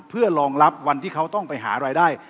เพื่อรองรับวันที่เขาต้องไปหารายได้